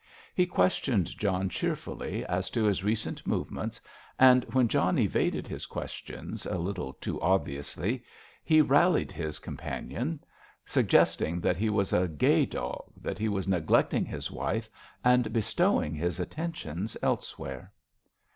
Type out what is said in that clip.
He questioned John cheerfully as to his recent movements, and, when John evaded his questions a little too obviously, he rallied his companion, suggesting that he was a gay dog, that he was neglecting his wife and bestowing his attentions elsewhere.